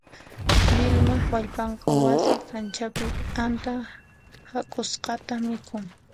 Vilmaq wallpan wasi kanchapi t'anta hak'usqata mikhun.